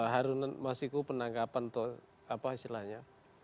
harunan mas iku penangkapan atau apa istilahnya